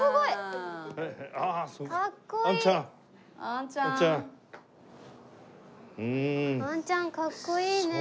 アンちゃんかっこいいね。